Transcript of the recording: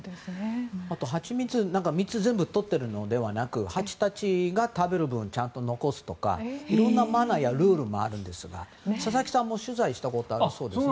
あと、ハチミツは全部取っているわけではなくハチたちが食べる分をちゃんと残すとかいろんなマナーやルールがあるんですが佐々木さんも取材したことがあるそうですね。